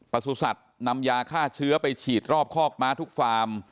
สุสัตว์นำยาฆ่าเชื้อไปฉีดรอบคอกม้าทุกฟาร์ม